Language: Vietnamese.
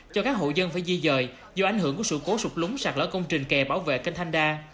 cho các hộ dân phải di dời do ảnh hưởng của sự cố sụt lún sạc lỡ công trình kè bảo vệ kênh thanh đa